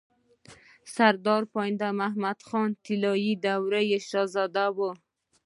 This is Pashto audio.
سردار پاينده محمد خان طلايي دورې شهزاده وو